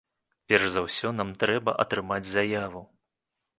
Перш за ўсё нам трэба атрымаць заяву.